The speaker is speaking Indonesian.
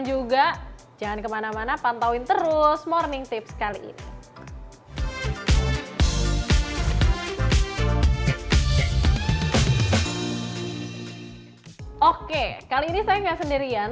juga jangan kemana mana pantauin terus morning tips kali ini oke kali ini saya enggak sendirian